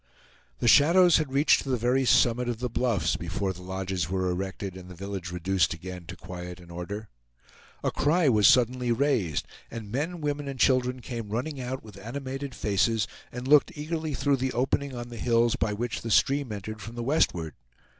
The shadows had reached to the very summit of the bluffs before the lodges were erected and the village reduced again to quiet and order. A cry was suddenly raised, and men, women, and children came running out with animated faces, and looked eagerly through the opening on the hills by which the stream entered from the westward.